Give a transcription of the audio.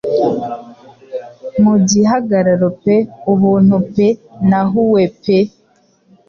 Mu gihagararo pe ubuntu pe na hue pe